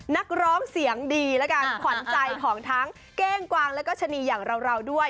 นักร้องเสียงดีและกันขวัญใจของทั้งเก้งกวางแล้วก็ชะนีอย่างเราด้วย